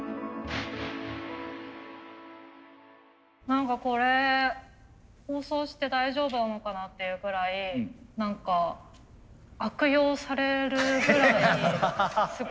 何かこれ放送して大丈夫なのかなっていうぐらい何か悪用されるぐらいすごい分かりやすくて。